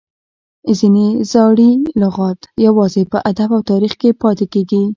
ځینې زاړي لغات یوازي په ادب او تاریخ کښي پاته کیږي.